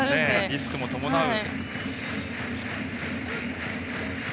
リスクも伴う。